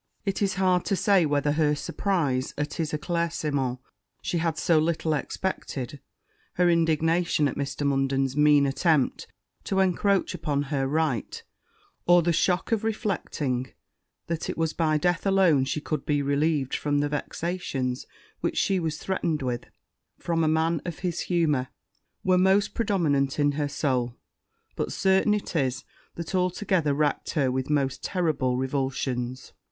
It is hard to say whether her surprize at an eclaircissement she had so little expected, her indignation at Mr. Munden's mean attempt to encroach upon her right, or the shock of reflecting, that it was by death alone she could be relieved from the vexations with which she was threatened by a man of his humour, were most predominant in her soul; but certain it is, that all together racked her with most terrible convulsions.